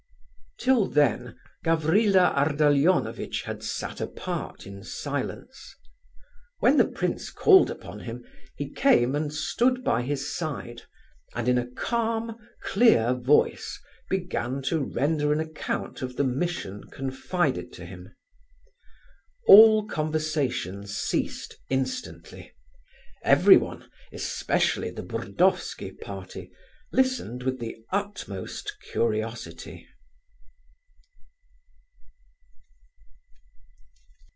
Till then Gavrila Ardalionovitch had sat apart in silence. When the prince called upon him, he came and stood by his side, and in a calm, clear voice began to render an account of the mission confided to him. All conversation ceased instantly. Everyone, especially the Burdovsky party, listened with the utmost curiosity.